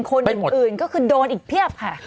คนอื่นก็คือโดนอีกเพียบค่ะ